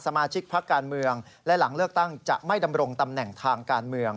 สมาชิกพักการเมืองและหลังเลือกตั้งจะไม่ดำรงตำแหน่งทางการเมือง